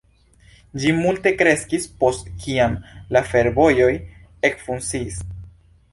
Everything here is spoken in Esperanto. Ĝi multe kreskis post kiam la fervojoj ekfunkciis.